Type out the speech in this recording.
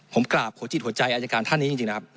ผมกราบหัวจิตหัวใจอายการท่านนี้จริงนะครับ